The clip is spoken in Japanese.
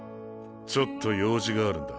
ちょっと用事があるんだ。